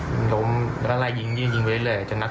วิ่งล้มอะครับเดี๋ยวรถผมต้องถ่าย